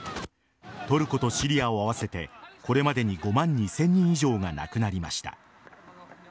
トルコとシリアを合わせてこれまでに５万２０００人以上が亡くなりました。